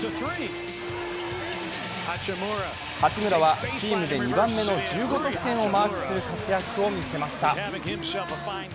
八村はチームで２番目の１５得点をマークする活躍を見せました。